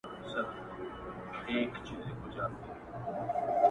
ستا له غمه مي بدن ټوله کړېږي،